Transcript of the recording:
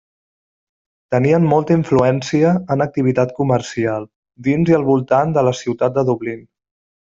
Tenien molta influència en activitat comercial dins i al voltant de la ciutat de Dublín.